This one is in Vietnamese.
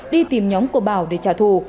đi tìm nhóm của bảo để trả thù